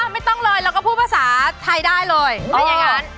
ไม่ต้องเลยเราก็พูดภาษาไทยได้เลยว่าอย่างนั้น